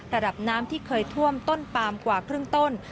ระดับน้ำที่เคยท่วมต้นปามกว่าครึ่งต้น